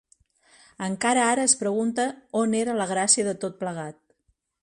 Encara ara es pregunta on era la gràcia de tot plegat.